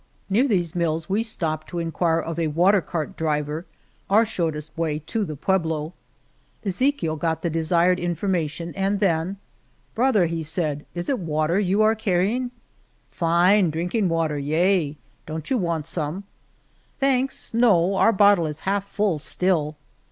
Near these mills we stop to inquire of a water cart driver our shortest way to the pueblo. Ezechiel got the desired informa 146 El Toboso tion, and then Brother," he said, "it is wa ter you are carrying ?" Fine drinking water, yea. Don't you want some ?"Thanks, no ; our bottle is half full, still."